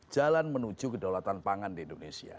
jalan menuju kedaulatan pangan di indonesia